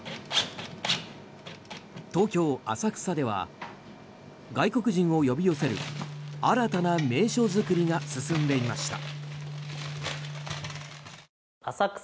東京・浅草では外国人を呼び寄せる新たな名所作りが進んでいました。